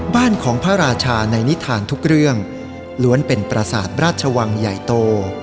บ้านของพระราชาในนิทานทุกเรื่องล้วนเป็นประสาทราชวังใหญ่โต